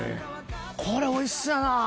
これ、おいしそうやな。